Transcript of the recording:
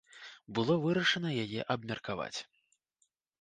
Было вырашана яе абмеркаваць.